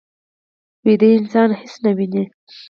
ویده انسان هېڅ نه ویني